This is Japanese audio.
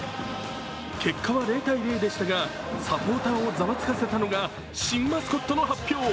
結果は０−０でしたがサポーターをざわつかせたのが新マスコットの発表。